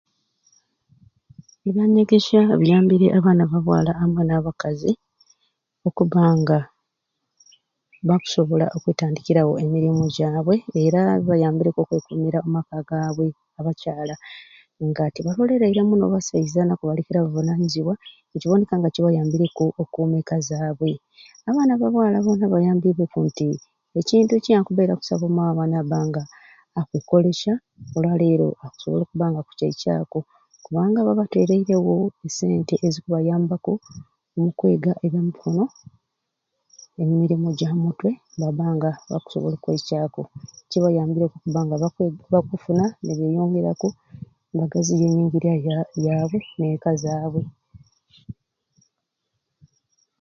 Ebyanyegesya biyambire abaana ba bwaala amwe n'abakazi okubanga bakusobola okwetandikirawo emirimu gyabwe era bibayambireku okwekuumira omu maka gaabwe abakyala nga tibaloleire muno basaiza nakubalekera buvunanyizibwa nekiboneka nga kibayaambireku okukuuma eka zaabwe. Abaana ba bwaala mwojo bayambiibweku nti ekintu kiakubaire akusaba o maama nabanga akukkolesha olwaleero akusobola okuba nga akukiekyaku kubanga babatereirewo e sente ezikubayambaku omukweega ebyamikono n'emirimu egyamumutwe nabanga akusobola okweikyaku kibayaambireku okuba nga bakwega...bakufuna ninyongeraku nibagaziya enyingirya yabwe n'eka zaabwe